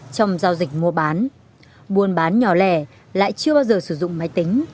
trong giao dịch mua bán buôn bán nhỏ lẻ lại chưa bao giờ sử dụng máy tính